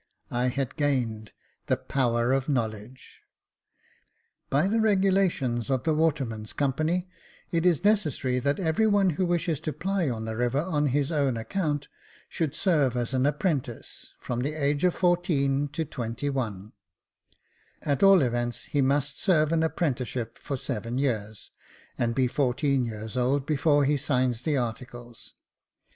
I had gained the power of knowledge. By the regulations of the "Watermen's Company, it is 48 Jacob Faithful necessary that every one who wishes to ply on the river on his own account, should serve as an apprentice, from the age of fourteen to twenty one ; at all events, he must serve an apprenticeship for seven years, and be fourteen years old before he signs the articles.